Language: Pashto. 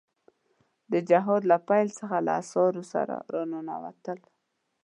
د جهاد له پيل څخه له اسعارو سره را ننوتل.